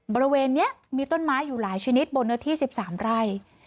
บริเวณนี้มีต้นไม้อยู่หลายชนิดบนเนื้อที่๑๓ไร่